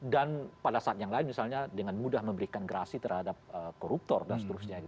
dan pada saat yang lain misalnya dengan mudah memberikan gerasi terhadap koruptor dan seterusnya